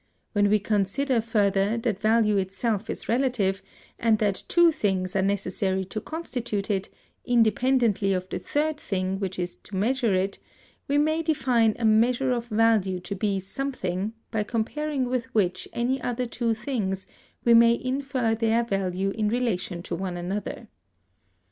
When we consider, further, that value itself is relative, and that two things are necessary to constitute it, independently of the third thing which is to measure it, we may define a Measure of Value to be something, by comparing with which any two other things, we may infer their value in relation to one another.